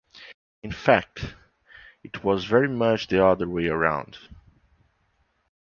In fact, it was very much the other way around.